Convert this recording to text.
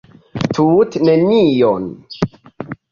Tute nenion.